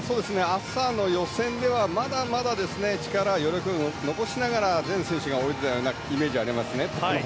朝の予選ではまだまだ力、余力残しながら全選手が泳いでいたイメージがありますね。